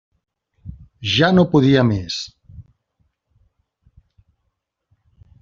Ja no podia més.